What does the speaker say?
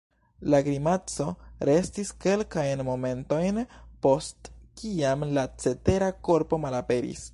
La grimaco restis kelkajn momentojn post kiam la cetera korpo malaperis.